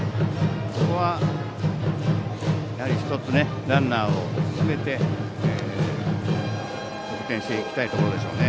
ここは１つランナーを進めて得点していきたいところでしょうね。